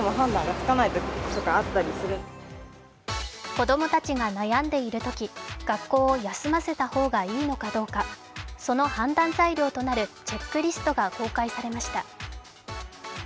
子供たちが悩んでいるとき、学校を休ませた方がいいのかどうか、その判断材料となるチェックリストが公開されました。